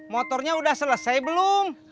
motornya udah selesai belum